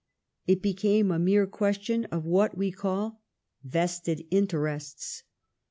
It became a mere question of what we call vested interests.